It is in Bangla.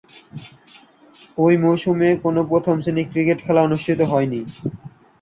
ঐ মৌসুমে কোন প্রথম-শ্রেণীর ক্রিকেট খেলা অনুষ্ঠিত হয়নি।